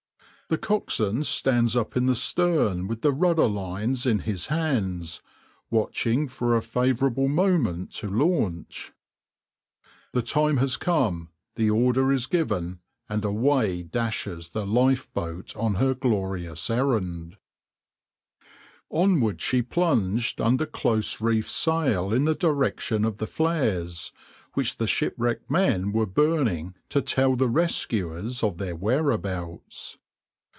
The coxswain stands up in the stern with the rudder lines in his hands, watching for a favourable moment to launch. The time has come, the order is given, and away dashes the lifeboat on her glorious errand.\par \vs {\noindent} Onward she plunged under close reefed sail in the direction of the flares, which the shipwrecked men were burning to tell the rescuers of their whereabouts.